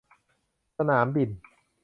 สนามบิน